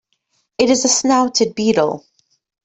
It is a snouted beetle.